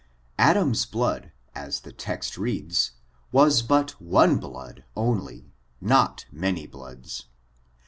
Adam's blood, as the text reads, was but ofie Uood only, not many bloods.